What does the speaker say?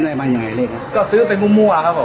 อ๋อว่าอ้าทีบ้านก็มีก็มีหลายที่อ๋อ